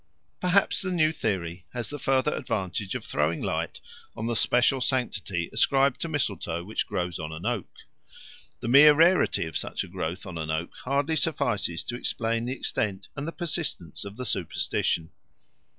Perhaps the new theory has the further advantage of throwing light on the special sanctity ascribed to mistletoe which grows on an oak. The mere rarity of such a growth on an oak hardly suffices to explain the extent and the persistence of the superstition.